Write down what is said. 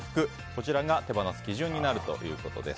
こちらが手放す基準になるということです。